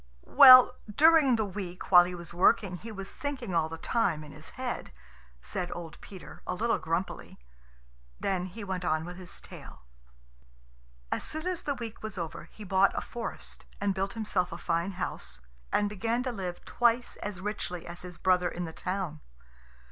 "Well, during the week, while he was working, he was thinking all the time, in his head," said old Peter, a little grumpily. Then he went on with his tale. As soon as the week was over, he bought a forest and built himself a fine house, and began to live twice as richly as his brother in the town.